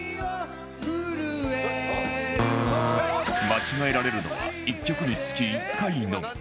間違えられるのは１曲につき１回のみ